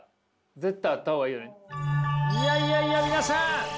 いやいやいや皆さん